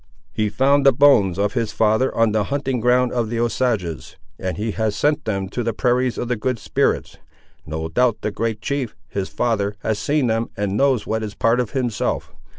He found the bones of his father on the hunting ground of the Osages, and he has sent them to the prairies of the Good Spirits. No doubt the great chief, his father, has seen them, and knows what is part of himself.